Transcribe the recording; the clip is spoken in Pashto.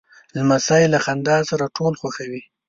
لمسی له خندا سره ټول خوښوي.